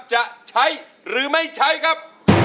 จะใช้หรือไม่ใช้ครับ